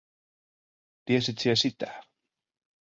Tiesit sie sitä?"